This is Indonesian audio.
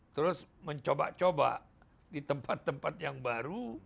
terus mencoba coba di tempat tempat yang baru